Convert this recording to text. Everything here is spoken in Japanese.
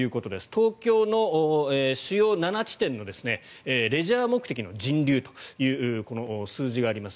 東京の主要７地点のレジャー目的の人流というこの数字があります。